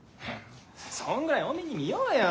そんぐらい大目に見ようよ。